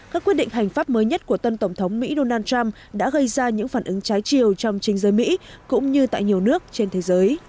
các quyết định hành pháp mới nhất của tân tổng thống mỹ donald trump đã gây ra những phản ứng trái chiều trong chính giới mỹ cũng như tại nhiều nước trên thế giới